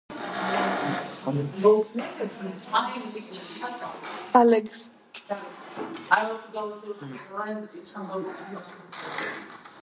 კუნძული მოქცეულია სუბეკვატორულ სარტყელში.